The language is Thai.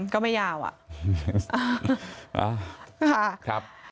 ก็ไม่ยาวอะ